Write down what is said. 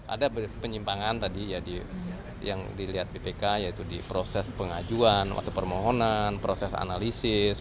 ada penyimpangan tadi ya yang dilihat bpk yaitu di proses pengajuan waktu permohonan proses analisis